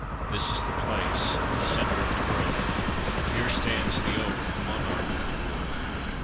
This is the place, the centre of the grove; Here stands the oak, the monarch of the wood.